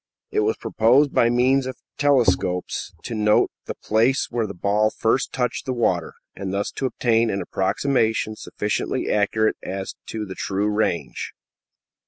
It was proposed, by means of telescopes, to note the place where the ball first touched the water, and thus to obtain an approximation sufficiently accurate as to the true range.